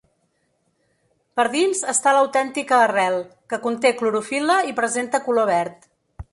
Per dins està l'autèntica arrel, que conté clorofil·la i presenta color verd.